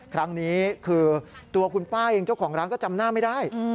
ครั้งนี้คือตัวคุณป้าเองเจ้าของร้านก็จำหน้าไม่ได้